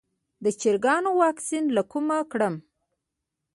د چرګانو واکسین له کومه کړم؟